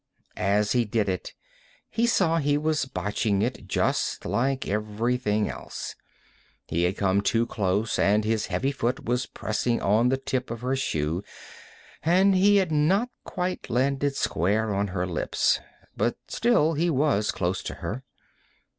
As he did it, he saw he was botching it just like everything else. He had come too close, and his heavy boot was pressing on the tip of her shoe; and he had not quite landed square on her lips. But still, he was close to her.